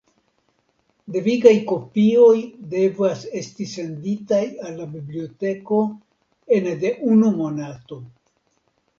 Devigaj kopioj devas esti senditaj al la biblioteko ene de unu monato.